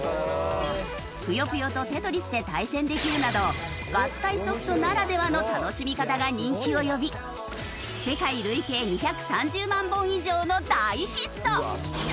『ぷよぷよ』と『テトリス』で対戦できるなど合体ソフトならではの楽しみ方が人気を呼び世界累計２３０万本以上の大ヒット。